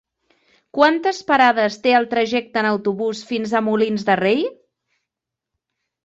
Quantes parades té el trajecte en autobús fins a Molins de Rei?